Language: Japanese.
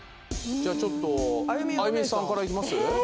じゃあちょっとあゆみさんからいきます？